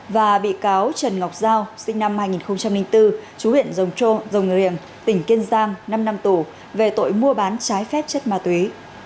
và bị cáo trần ngọc giao sinh năm hai nghìn bốn chú huyện rồng trôm rồng riềng tỉnh kiên giang năm năm tù về tội mua bán trái phép chất ma túy